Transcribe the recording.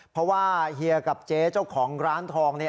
เพราะว่าเฮียกับเจ๊เจ้าของร้านทองเนี่ย